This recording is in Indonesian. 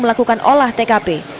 melakukan olah tkp